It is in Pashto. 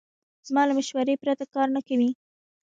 زما له مشورې پرته کار نه کوي.